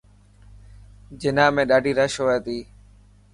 جناح ۾ڏاڌي رش هي.ڍ